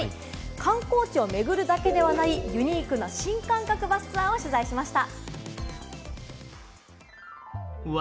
観光地を巡るだけじゃないユニークな新感覚バスツアーを取材しました。